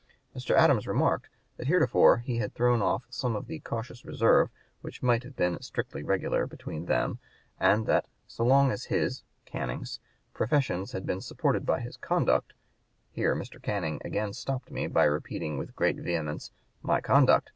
Mr. Adams remarked that heretofore he had thrown off (p. 144) some of the "cautious reserve" which might have been "strictly regular" between them, and that "'so long as his (Canning's) professions had been supported by his conduct' Here Mr. Canning again stopped me by repeating with great vehemence, 'My conduct!